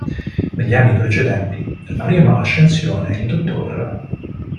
Negli anni precedenti la prima ascensione il Dott.